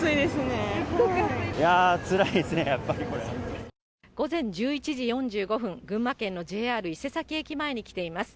いやー、つらいですね、やっ午前１１時４５分、群馬県のＪＲ伊勢崎駅前に来ています。